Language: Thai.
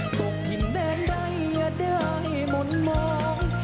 ตกทิ้งแดงใดอย่าได้หมดมอง